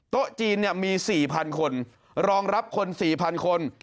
โต๊ะจีนมี๔๐๐คนรองรับคน๔๐๐คน